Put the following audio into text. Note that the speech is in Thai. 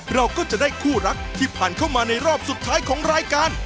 เราก็จะได้คู่รักที่ผ่านเข้ามาในรอบสุดท้ายของรายการ